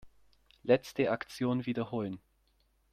Letzte Aktion wiederholen.